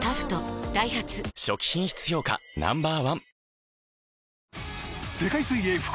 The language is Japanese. ダイハツ初期品質評価Ｎｏ．１